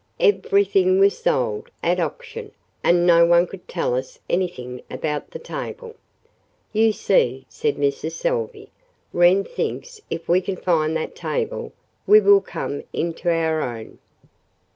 "Everything was sold at auction and no one could tell us anything about the table." "You see," said Mrs. Salvey, "Wren thinks if we can find that table we will come into our own.